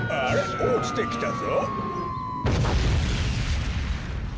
おちてきたぞ。